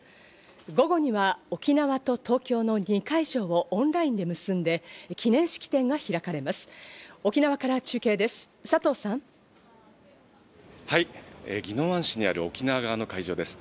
午後には沖縄と東京の２会場をオンラインで結んで記念式典が開かれます。